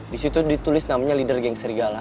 disitu ditulis namanya leader geng serigala